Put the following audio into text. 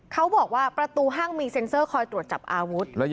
เขาบอกว่าประตูห้างมีเซ็นเซอร์คอยตรวจจับอาวุธ